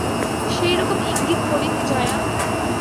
সেইরকম ইঙ্গিত করিনি জয়া।